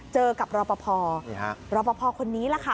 เจอกับรอปภรอปภคนนี้แหละค่ะ